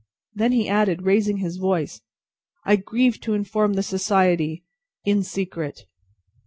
Then he added, raising his voice, "I grieve to inform the society in secret."